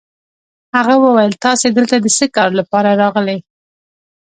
هغه وویل: تاسي دلته د څه کار لپاره راغلئ؟